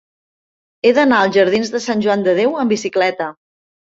He d'anar als jardins de Sant Joan de Déu amb bicicleta.